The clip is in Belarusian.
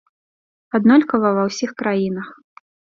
Аднолькава ва ўсіх краінах.